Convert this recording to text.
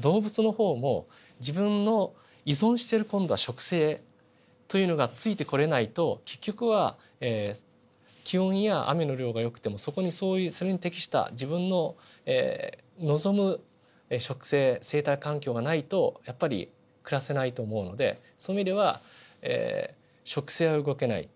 動物の方も自分の依存している今度は植生というのがついてこれないと結局は気温や雨の量がよくてもそこにそういうそれに適した自分の望む植生生態環境がないとやっぱり暮らせないと思うのでそういう意味では植生は動けない。